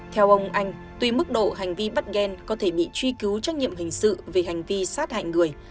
theo ông anh tuy mức độ hành vi bắt ghen có thể bị truy cứu trách nhiệm hình sự về hành vi sát hại người